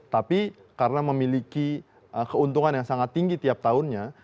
tapi karena memiliki keuntungan yang sangat tinggi tiap tahunnya